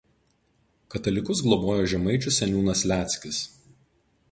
Katalikus globojo Žemaičių seniūnas Liackis.